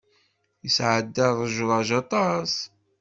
Yesɛedda ṛejṛaj aṭas.